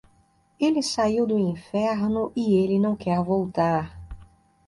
Ele saiu do inferno e ele não quer voltar.